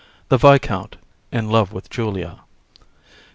THE VISCOUNT, in love with JULIA.